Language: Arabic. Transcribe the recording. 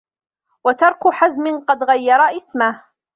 وَتَرْكُ حَزْمٍ قَدْ غَيَّرَ اسْمَهُ